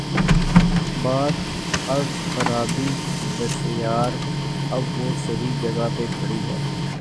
بعد از خرابیٔ بسیار، اب وہ صحیح جگہ پہ کھڑی ہے۔